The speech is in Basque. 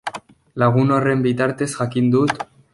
Lagun horren bitartez jakin dut.